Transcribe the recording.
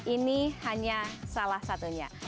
ini hanya salah satunya